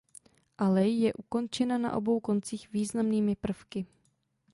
Alej je ukončena na obou koncích významnými prvky.